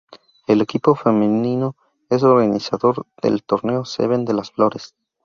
El equipo femenino es organizador del torneo Seven de las Flores.